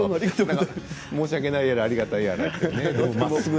申し訳ないやらありがたいやら